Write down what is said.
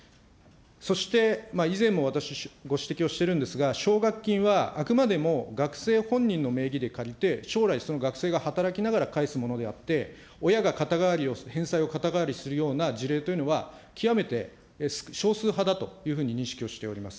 そして以前も私、ご指摘をしてるんですが、奨学金は、あくまでも学生本人の名義で借りて、将来、その学生が働きながら返すものであって、親が肩代わりを、返済を肩代わりするような事例というのは、極めて少数派だというふうに認識をしております。